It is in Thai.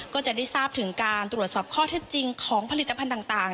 ก็จะได้ทราบถึงการตรวจสอบข้อเท็จจริงของผลิตภัณฑ์ต่าง